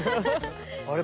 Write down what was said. あれ？